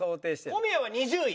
小宮は２０位。